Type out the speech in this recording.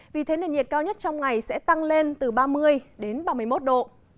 vì thế nền nhiệt cao nhất trong ngày sẽ tăng lên từ ba mươi đến ba mươi một độ